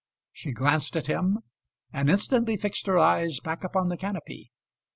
She glanced at him, and instantly fixed her eyes back upon the canopy.